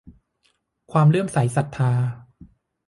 ความเลื่อมใสศรัทธา